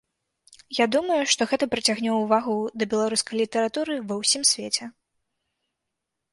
Я думаю, што гэта прыцягне ўвагу да беларускай літаратуры ва ўсім свеце.